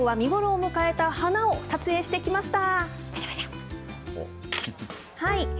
きょうは見頃を迎えた花を撮影してきました。